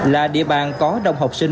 là địa bàn có đông học sinh trong đội khách